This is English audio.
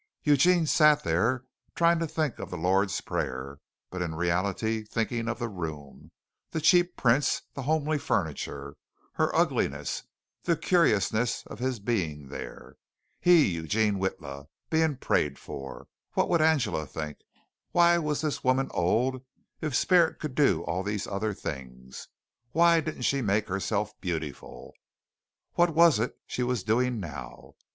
Eugene sat there trying to think of the Lord's prayer, but in reality thinking of the room, the cheap prints, the homely furniture, her ugliness, the curiousness of his being there. He, Eugene Witla, being prayed for! What would Angela think? Why was this woman old, if spirit could do all these other things? Why didn't she make herself beautiful? What was it she was doing now?